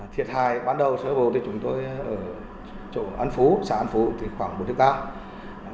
thiệt hài ban đầu chúng tôi ở chỗ an phú xã an phú khoảng bốn mươi hectare